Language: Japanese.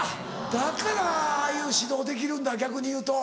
だからああいう指導できるんだ逆にいうと。